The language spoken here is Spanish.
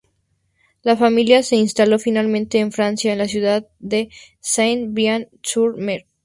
La familia se instaló finalmente en Francia, en la ciudad de Saint-Briac-sur-Mer.